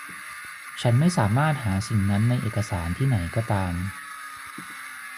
ฉันไม่สามารถหาสิ่งนั้นในเอกสารที่ไหนก็ตาม